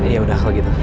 ya udah aku gitu